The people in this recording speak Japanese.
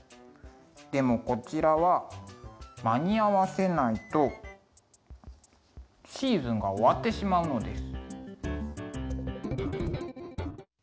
でもこちらは間に合わせないとシーズンが終わってしまうのです。